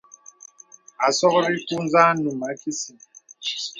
Àsɔkri kù za num a kísìn.